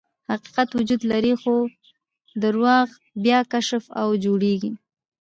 حقیقت وجود لري، خو درواغ بیا کشف او جوړیږي.